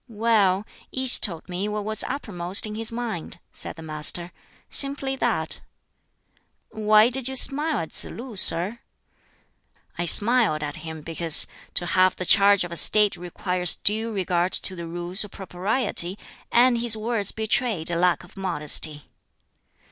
"Well, each told me what was uppermost in his mind," said the Master; "simply that." "Why did you smile at Tsz lu, sir?" "I smiled at him because to have the charge of a State requires due regard to the Rules of Propriety, and his words betrayed a lack of modesty."